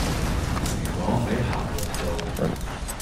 如果喺閒日做